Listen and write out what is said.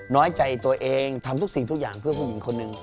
น้อยใจตัวเองทำทุกสิ่งทุกอย่างเพื่อผู้หญิงคนหนึ่ง